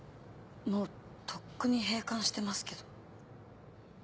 もうとっくに閉館してますけど。